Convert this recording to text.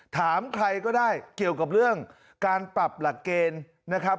ถามใครก็ได้เกี่ยวกับเรื่องการปรับหลักเกณฑ์นะครับ